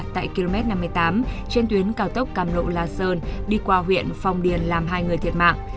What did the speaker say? tại km năm mươi tám trên tuyến cao tốc cam lộ la sơn đi qua huyện phong điền làm hai người thiệt mạng